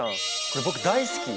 これ僕大好き。